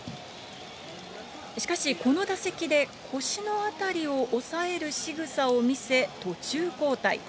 しかしこの打席で腰の辺りを押さえるしぐさを見せ、途中交代。